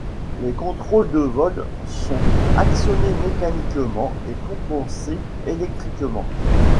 Les contrôles de vol sont actionnés mécaniquement et compensés électriquement.